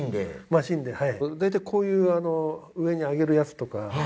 マシンではい大体こういう上に上げるやつとか